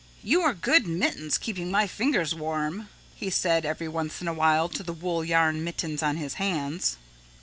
"You are good, mittens, keeping my fingers warm," he said every once in a while to the wool yarn mittens on his hands.